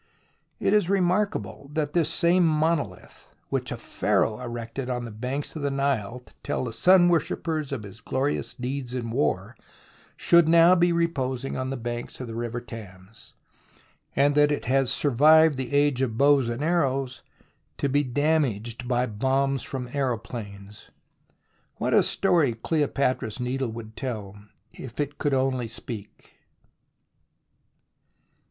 It is remarkable that this same monoUth, which a Pharaoh erected on the banks of the Nile to tell the sun worshippers of his glorious deeds in war, should now be reposing on the banks of the river Thames, and that it has survived the age of bows and arrows to be damaged by bombs from aeroplanes. What a story Cleopatra's Needle would tell if it could only speak.